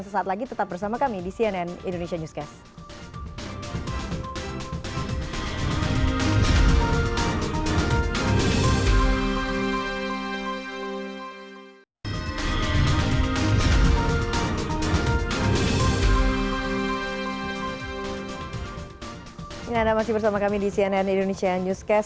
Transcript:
sesaat lagi tetap bersama kami di cnn indonesia newscast